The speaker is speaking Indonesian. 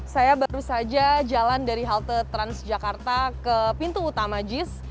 saya baru saja jalan dari halte transjakarta ke pintu utama jis